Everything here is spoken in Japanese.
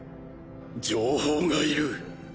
情報がいる。